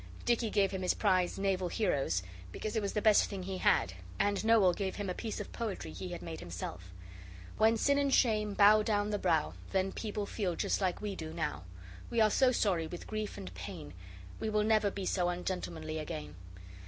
Dicky gave him his prize, Naval Heroes, because it was the best thing he had, and Noel gave him a piece of poetry he had made himself When sin and shame bow down the brow Then people feel just like we do now. We are so sorry with grief and pain We never will be so ungentlemanly again.